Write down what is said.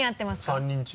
３人中。